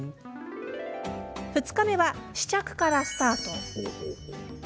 ２日目は、試着からスタート。